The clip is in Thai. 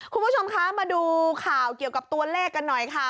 คุณผู้ชมคะมาดูข่าวเกี่ยวกับตัวเลขกันหน่อยค่ะ